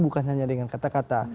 bukan hanya dengan kata kata